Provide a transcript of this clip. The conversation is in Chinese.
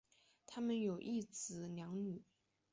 他们有一子两女。